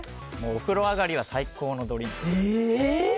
お風呂上がりは最高のドリンクです。